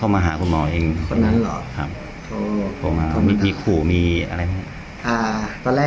มึงฟ้องกูหรอ